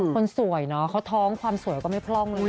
คนสวยเนอะเขาท้องความสวยก็ไม่พร่องเลย